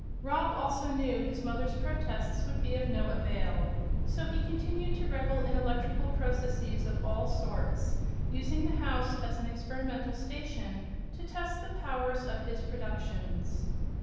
Rob also knew his mother's protests would be of no avail; so he continued to revel in electrical processes of all sorts, using the house as an experimental station to test the powers of his productions.